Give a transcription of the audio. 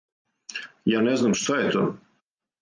Ја не знам шта је то?